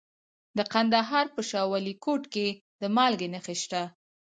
د کندهار په شاه ولیکوټ کې د مالګې نښې شته.